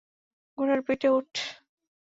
ঘোড়ার পিঠে উঠ!